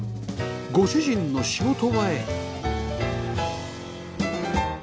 ご主人の仕事場へ